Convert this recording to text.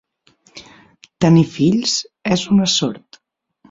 Tenir fills és una sort.